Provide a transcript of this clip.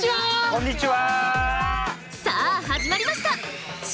こんにちは！